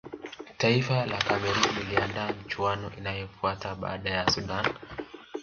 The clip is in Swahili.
taifa la cameroon liliandaa michuano iliyofuata baada ya sudan